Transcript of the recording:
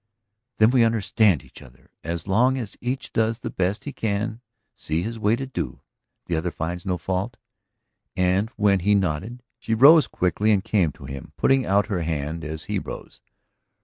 "Then we understand each other? As long as each does the best he can see his way to do, the other finds no fault?" And when he nodded she rose quickly and came to him, putting out her hand as he rose.